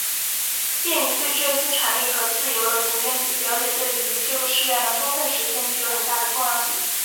鉴于对这些权利和自由的普遍了解对于这个誓愿的充分实现具有很大的重要性